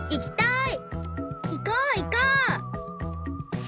いこういこう！